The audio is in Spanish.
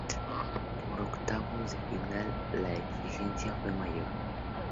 Para octavos de final la exigencia fue mayor.